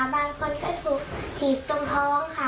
บางคนถีบตรงท้องค่ะ